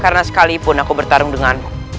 karena sekalipun aku bertarung denganmu